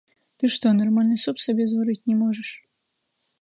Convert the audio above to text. Ты што, нармальны суп сабе зварыць не можаш?